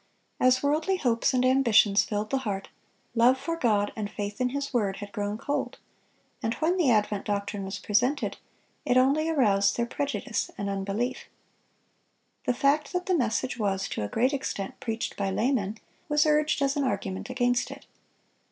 As worldly hopes and ambitions filled the heart, love for God and faith in His word had grown cold; and when the advent doctrine was presented, it only aroused their prejudice and unbelief. The fact that the message was, to a great extent, preached by laymen, was urged as an argument against it.